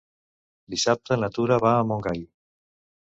Dissabte na Tura va a Montgai.